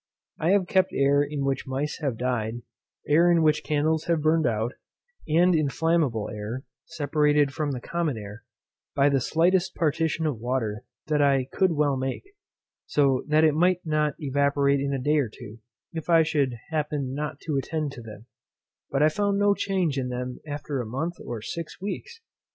I have kept air in which mice have died, air in which candles have burned out, and inflammable air, separated from the common air, by the slightest partition of water that I could well make, so that it might not evaporate in a day or two, if I should happen not to attend to them; but I found no change in them after a month or six weeks.